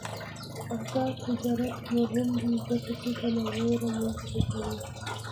آزاد تجارت مهم دی ځکه چې تنوع رامنځته کوي.